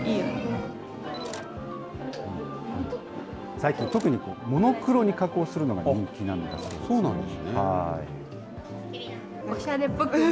最近、特にモノクロに加工するのが人気なんだそうです。